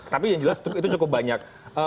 tapi yang jelas itu cukup banyak